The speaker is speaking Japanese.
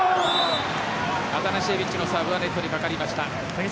アタナシエビッチのサーブがネットにかかりました。